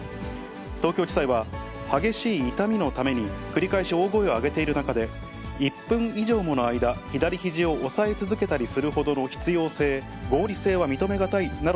東京地裁は、激しい痛みのために、繰り返し大声を上げている中で、１分以上もの間、左ひじを押さえ続けたりするほどの必要性、合理性は認め難いなど